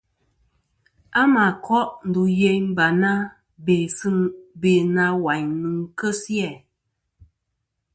A mà koʼ ndù yeyn Barna, be na wayn nɨn kesi a.